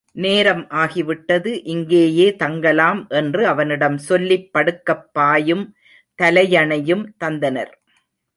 நேரம் ஆகிவிட்டது இங்கேயே தங்கலாம் என்று அவனிடம் சொல்லிப் படுக்கப் பாயும் தலையணையும் தந்தனர்.